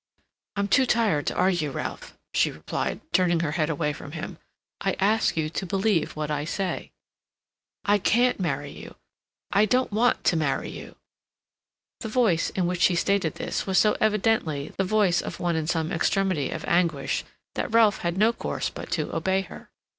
"I'm too tired to argue, Ralph," she replied, turning her head away from him. "I ask you to believe what I say. I can't marry you; I don't want to marry you." The voice in which she stated this was so evidently the voice of one in some extremity of anguish that Ralph had no course but to obey her.